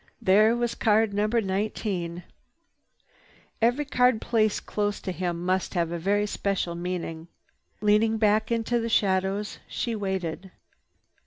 There was card number 19. Every card placed close to him must have a very special meaning. Leaning back into the shadows, she waited.